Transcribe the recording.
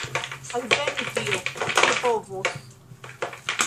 Alvenu tio, kio povos!